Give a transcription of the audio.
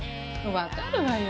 わかるわよ。